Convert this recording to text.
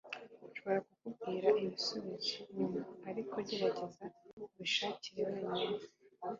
Nshobora kukubwira ibisubizo nyuma ariko gerageza ubishakire wenyine